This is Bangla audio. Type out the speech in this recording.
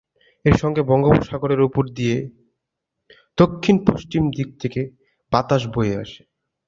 এর সঙ্গে বঙ্গোপসাগরের ওপর দিয়ে দক্ষিণ পশ্চিম দিক থেকে বাতাস বয়ে আসে।